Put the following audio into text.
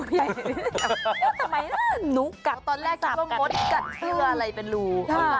ทำไมน่ะหนูกัดสับกัดเสื้ออะไรเป็นรู